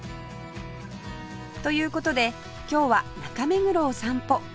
という事で今日は中目黒を散歩